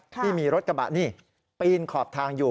ที่มีรถกระบะนี่ปีนขอบทางอยู่